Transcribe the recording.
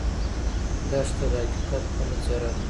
دښته د حقیقت بله څېره ده.